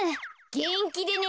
げんきでね。